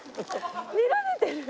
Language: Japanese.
見られてる！